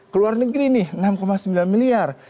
keluar negeri nih enam sembilan miliar